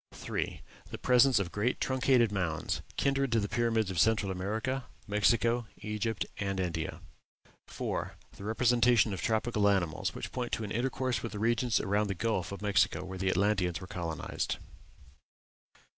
3. The presence of great truncated mounds, kindred to the pyramids of Central America, Mexico, Egypt, and India. 4. The representation of tropical animals, which point to an intercourse with the regions around the Gulf of Mexico, where the Atlanteans were colonized.